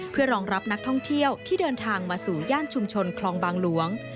เพื่อรองรับนักท่องเที่ยวที่เดินทางมาสู่ย่านชุมชนคลองบางหลวง